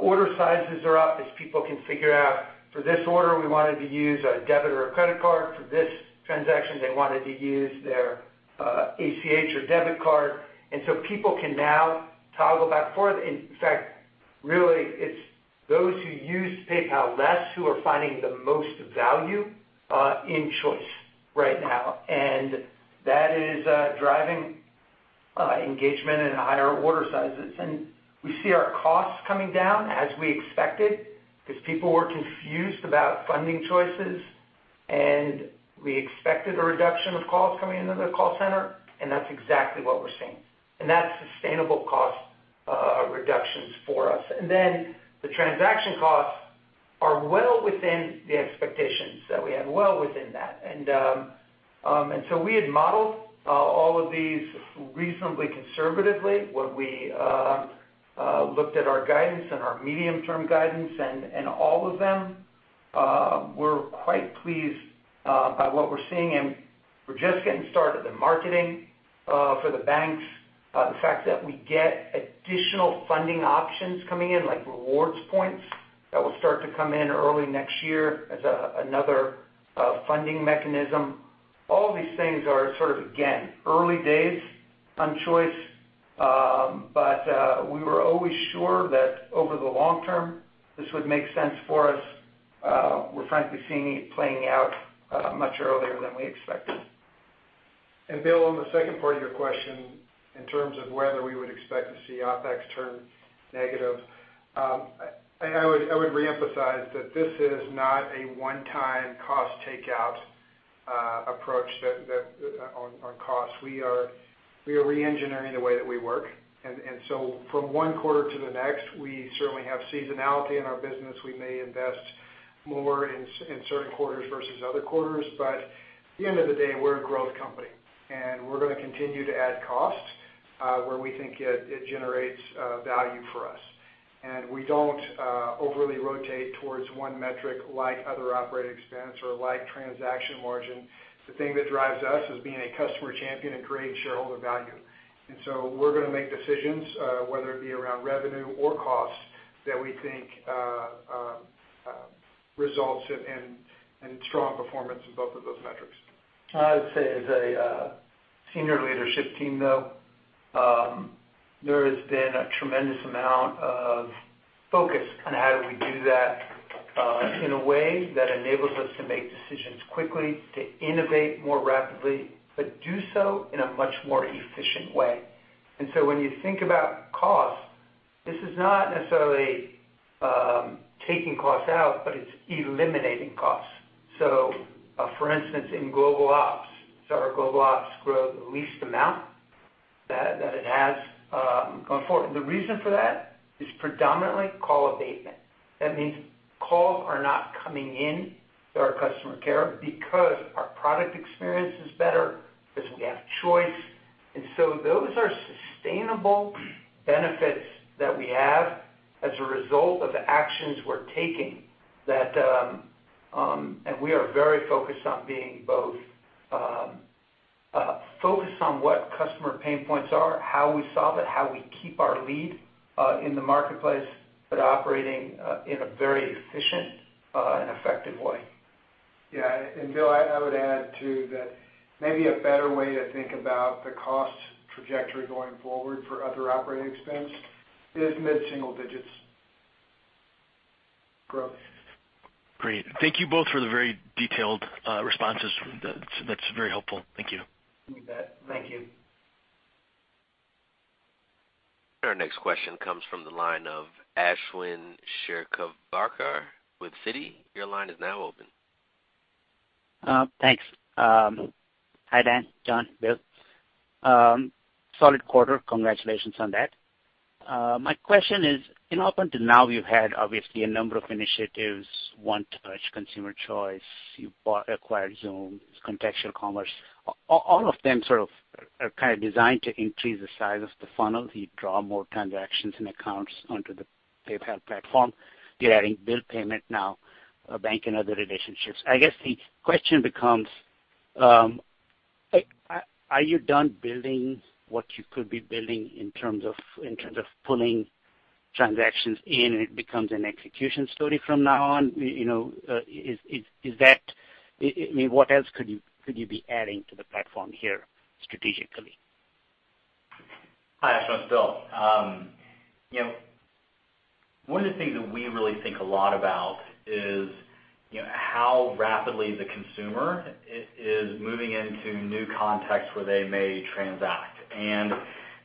Order sizes are up as people can figure out, for this order, we wanted to use a debit or a credit card. For this transaction, they wanted to use their ACH or debit card. People can now toggle back and forth. In fact, really, it's those who use PayPal less who are finding the most value in Choice right now. That is driving engagement and higher order sizes. We see our costs coming down as we expected, because people were confused about funding choices. We expected a reduction of calls coming into the call center, and that's exactly what we're seeing. That's sustainable cost reductions for us. The transaction costs are well within the expectations that we had, well within that. We had modeled all of these reasonably conservatively when we looked at our guidance and our medium-term guidance and all of them. We're quite pleased about what we're seeing, and we're just getting started in marketing for the banks. The fact that we get additional funding options coming in, like rewards points that will start to come in early next year as another funding mechanism. All of these things are sort of, again, early days on Choice. We were always sure that over the long term, this would make sense for us. We're frankly seeing it playing out much earlier than we expected. Bill, on the second part of your question, in terms of whether we would expect to see OpEx turn negative. I would reemphasize that this is not a one-time cost takeout approach on costs. We are re-engineering the way that we work. From one quarter to the next, we certainly have seasonality in our business. We may invest more in certain quarters versus other quarters. At the end of the day, we're a growth company. We're going to continue to add costs where we think it generates value for us. We don't overly rotate towards one metric like other operating expense or like transaction margin. The thing that drives us is being a customer champion and creating shareholder value. We're going to make decisions, whether it be around revenue or cost, that we think results in strong performance in both of those metrics. I would say as a senior leadership team, though, there has been a tremendous amount of focus on how do we do that in a way that enables us to make decisions quickly, to innovate more rapidly, but do so in a much more efficient way. When you think about cost, this is not necessarily taking costs out, but it's eliminating costs. For instance, in Global Ops, so our Global Ops grew the least amount that it has going forward. The reason for that is predominantly call abatement. That means calls are not coming in to our customer care because our product experience is better, because we have Choice. Those are sustainable benefits that we have as a result of the actions we're taking. We are very focused on being both focused on what customer pain points are, how we solve it, how we keep our lead in the marketplace, but operating in a very efficient and effective way. Yeah. Bill, I would add, too, that maybe a better way to think about the cost trajectory going forward for other operating expense is mid-single digits growth. Great. Thank you both for the very detailed responses. That's very helpful. Thank you. You bet. Thank you. Our next question comes from the line of Ashwin Shirvaikar with Citi. Your line is now open. Thanks. Hi, Dan, John, Bill. Solid quarter. Congratulations on that. My question is, up until now, you've had, obviously, a number of initiatives, One Touch, Consumer Choice, you acquired Xoom, Contextual Commerce. All of them sort of are kind of designed to increase the size of the funnel to draw more transactions and accounts onto the PayPal platform. You're adding bill payment now, bank and other relationships. I guess the question becomes, are you done building what you could be building in terms of pulling transactions in, and it becomes an execution story from now on? What else could you be adding to the platform here strategically? Hi, Ashwin. It's Bill. One of the things that we really think a lot about is how rapidly the consumer is moving into new contexts where they may transact.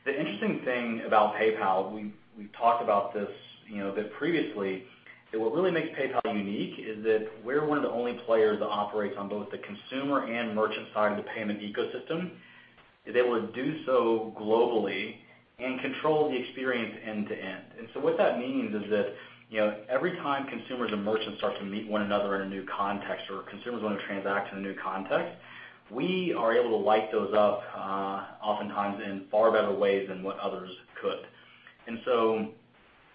The interesting thing about PayPal, we've talked about this a bit previously, that what really makes PayPal unique is that we're one of the only players that operates on both the consumer and merchant side of the payment ecosystem, is able to do so globally and control the experience end-to-end. What that means is that every time consumers and merchants start to meet one another in a new context or consumers want to transact in a new context, we are able to light those up oftentimes in far better ways than what others could.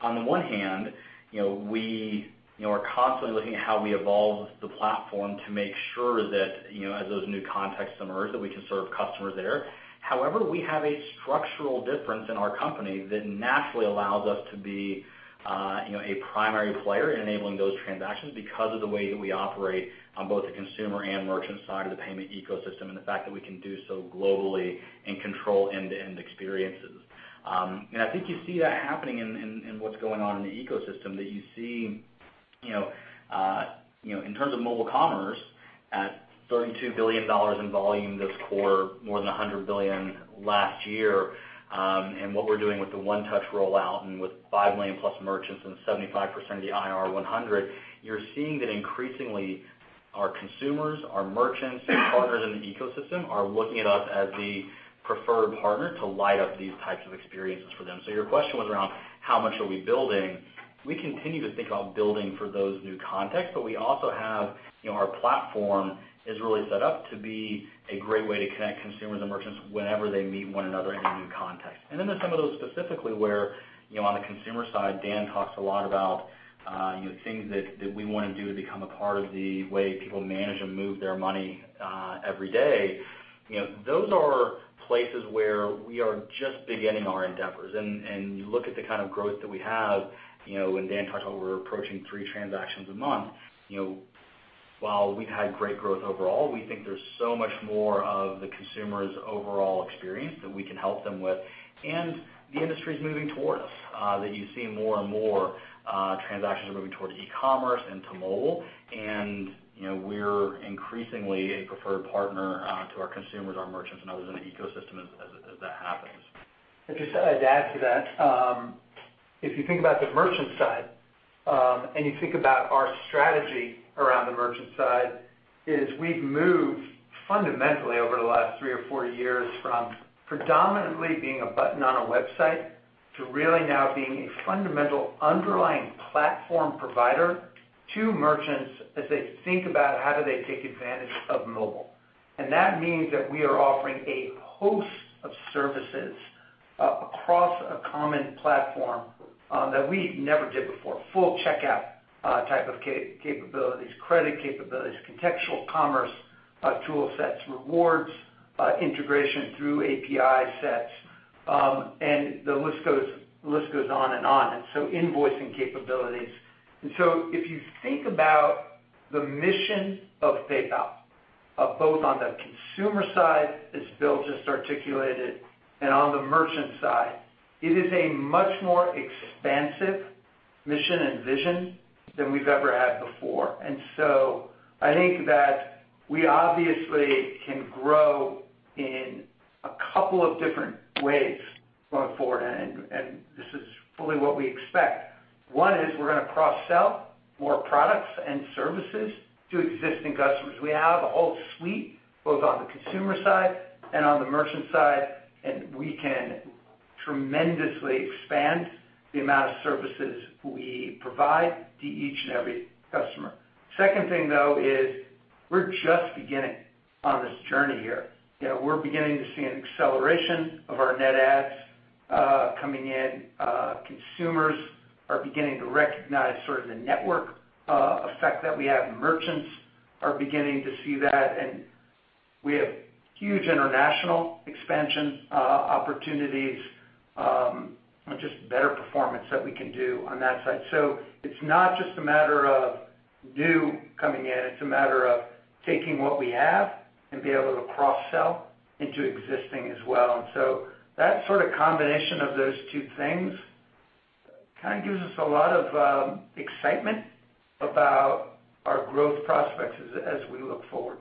On the one hand, we are constantly looking at how we evolve the platform to make sure that as those new contexts emerge, that we can serve customers there. However, we have a structural difference in our company that naturally allows us to be a primary player in enabling those transactions because of the way that we operate on both the consumer and merchant side of the payment ecosystem, the fact that we can do so globally and control end-to-end experiences. I think you see that happening in what's going on in the ecosystem, that you see in terms of mobile commerce at $32 billion in volume this quarter, more than $100 billion last year, what we're doing with the One Touch rollout and with 5 million+ merchants and 75% of the IR 100, you're seeing that increasingly our consumers, our merchants, partners in the ecosystem are looking at us as the preferred partner to light up these types of experiences for them. Your question was around how much are we building. We continue to think about building for those new contexts, we also have our platform is really set up to be a great way to connect consumers and merchants whenever they meet one another in a new context. There's some of those specifically where on the consumer side, Dan talks a lot about things that we want to do to become a part of the way people manage and move their money every day. Those are places where we are just beginning our endeavors. You look at the kind of growth that we have, when Dan talked about we're approaching three transactions a month. While we've had great growth overall, we think there's so much more of the consumer's overall experience that we can help them with. The industry's moving towards, that you see more and more transactions are moving towards e-commerce and to mobile, we're increasingly a preferred partner to our consumers, our merchants, and others in the ecosystem as that happens. Thinking about the merchant side, thinking about our strategy around the merchant side, we've moved fundamentally over the last 3 or 4 years from predominantly being a button on a website to really now being a fundamental underlying platform provider to merchants as they think about how do they take advantage of mobile. That means that we are offering a host of services across a common platform that we never did before. Full checkout type of capabilities, credit capabilities, Contextual Commerce tool sets, rewards integration through API sets, the list goes on and on. Invoicing capabilities. If you think about the mission of PayPal, both on the consumer side as Bill just articulated, on the merchant side, it is a much more expansive mission and vision than we've ever had before. I think that we obviously can grow in a couple of different ways going forward, and this is fully what we expect. One is we're going to cross-sell more products and services to existing customers. We have a whole suite, both on the consumer side and on the merchant side, we can tremendously expand the amount of services we provide to each and every customer. Second thing, though, is we're just beginning on this journey here. We're beginning to see an acceleration of our net adds coming in. Consumers are beginning to recognize sort of the network effect that we have. Merchants are beginning to see that, we have huge international expansion opportunities, just better performance that we can do on that side. It's not just a matter of new coming in, it's a matter of taking what we have and be able to cross-sell into existing as well. That sort of combination of those two things kind of gives us a lot of excitement about our growth prospects as we look forward.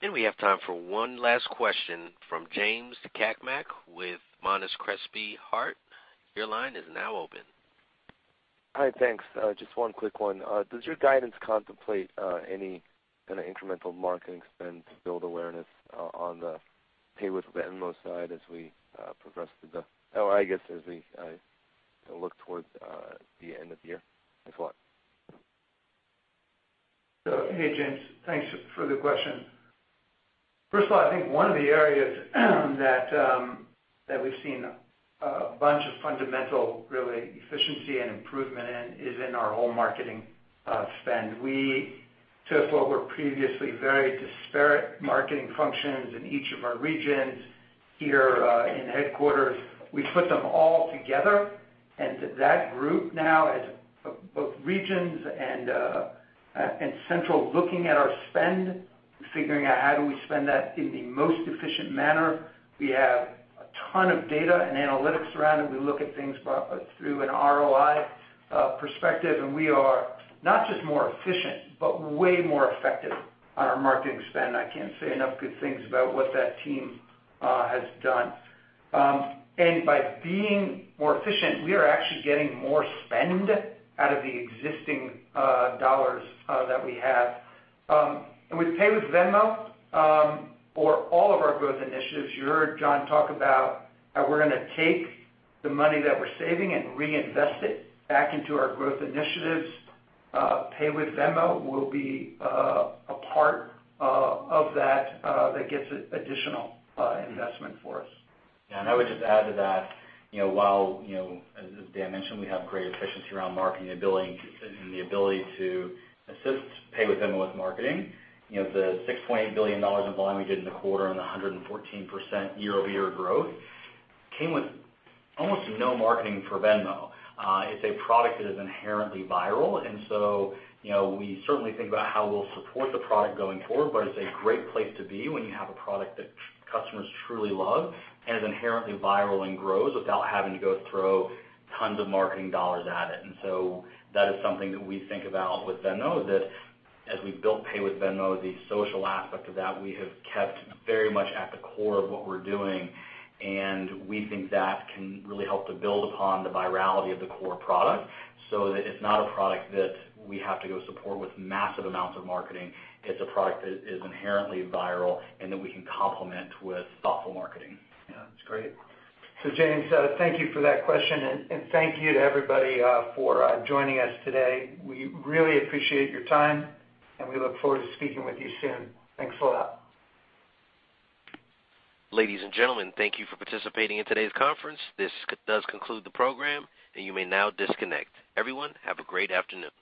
We have time for one last question from James Cakmak with Monness, Crespi, Hardt. Your line is now open. Hi, thanks. Just one quick one. Does your guidance contemplate any kind of incremental marketing spend to build awareness on the Pay with Venmo side as we look towards the end of the year? Thanks a lot. Hey, James. Thanks for the question. First of all, I think one of the areas that we've seen a bunch of fundamental, really efficiency and improvement in is in our whole marketing spend. We took what were previously very disparate marketing functions in each of our regions here in headquarters. We put them all together, and that group now has both regions and central looking at our spend, figuring out how do we spend that in the most efficient manner. We have a ton of data and analytics around it. We look at things through an ROI perspective, and we are not just more efficient, but way more effective on our marketing spend. I can't say enough good things about what that team has done. By being more efficient, we are actually getting more spend out of the existing dollars that we have. With Pay with Venmo, for all of our growth initiatives, you heard John talk about how we're going to take the money that we're saving and reinvest it back into our growth initiatives. Pay with Venmo will be a part of that gets additional investment for us. Yeah. I would just add to that, as Dan mentioned, we have great efficiency around marketing and the ability to assist Pay with Venmo with marketing. The $6.8 billion of volume we did in the quarter and the 114% year-over-year growth came with almost no marketing for Venmo. It's a product that is inherently viral, and so we certainly think about how we'll support the product going forward, but it's a great place to be when you have a product that customers truly love and is inherently viral and grows without having to go throw tons of marketing dollars at it. That is something that we think about with Venmo, that as we built Pay with Venmo, the social aspect of that, we have kept very much at the core of what we're doing, and we think that can really help to build upon the virality of the core product so that it's not a product that we have to go support with massive amounts of marketing. It's a product that is inherently viral and that we can complement with thoughtful marketing. Yeah, that's great. James, thank you for that question, and thank you to everybody for joining us today. We really appreciate your time, and we look forward to speaking with you soon. Thanks a lot. Ladies and gentlemen, thank you for participating in today's conference. This does conclude the program, and you may now disconnect. Everyone, have a great afternoon.